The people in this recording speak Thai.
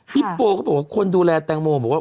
พี่โปหนึ่งเขาบอกว่าคนดูแลแตงโมบอกว่า